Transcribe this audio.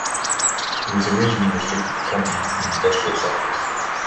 It was originally restricted to companies in industrial sectors.